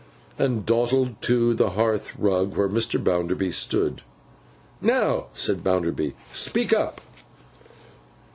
and dawdled to the hearthrug where Mr. Bounderby stood. 'Now,' said Bounderby, 'speak up!